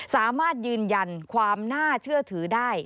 สามารถยืนยันความน่าเชื่อถือได้